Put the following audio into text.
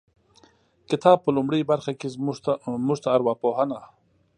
کتاب په لومړۍ برخه کې موږ ته ارواپوهنه